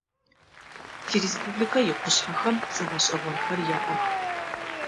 Тиреспубликэ икъушъхьэхэм цӏэ гъэшӏэгъонхэр яӏэх.